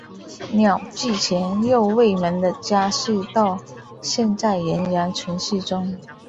鸟居强右卫门的家系到现在仍然存续中。